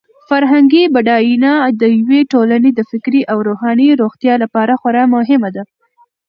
فرهنګي بډاینه د یوې ټولنې د فکري او روحاني روغتیا لپاره خورا مهمه ده.